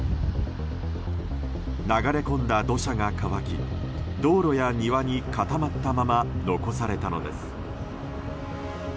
流れ込んだ土砂が乾き道路や庭に固まったまま残されたのです。